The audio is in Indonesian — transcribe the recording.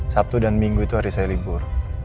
sabtu dan minggu itu hari saya libur